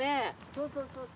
そうそうそう。